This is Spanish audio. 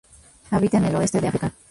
Habita en el oeste de África.